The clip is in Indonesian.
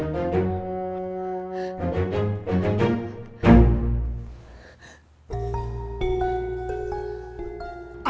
berita yang ditulis selfie ma